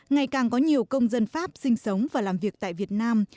ngày càng có nhiều công dân pháp sinh sống và làm việc tại việt nam